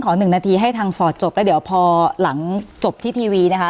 หนึ่งนาทีให้ทางฟอร์ตจบแล้วเดี๋ยวพอหลังจบที่ทีวีนะคะ